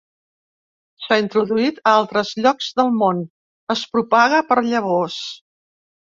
S'ha introduït a altres llocs del món, Es propaga per llavors.